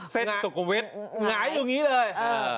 เสร็จสุขเวทหงายอยู่อย่างนี้เลย